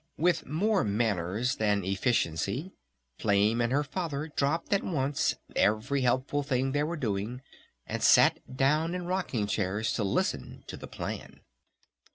With more manners than efficiency Flame and her Father dropped at once every helpful thing they were doing and sat down in rocking chairs to listen to the plan.